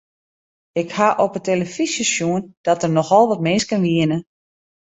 Ik haw op 'e telefyzje sjoen dat der nochal wat minsken wiene.